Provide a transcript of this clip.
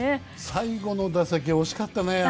最後の打席惜しかったね。